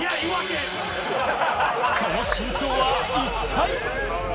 その真相は一体？